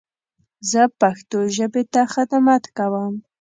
زه پښتو ژبې ته خدمت کوم.